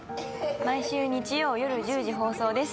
毎週日曜よる１０時放送です